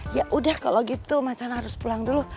yaudah kalau gitu macan harus pulang dulu